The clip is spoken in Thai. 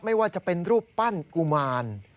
ไม่ว่าจะเป็นรูปปั้นกุมาร